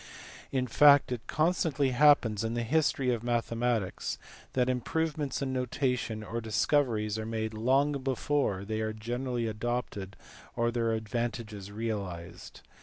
In fact it constantly happens in the history of mathematics that improvements in notation or discoveries are made long before they are generally adopted or their advantages realized.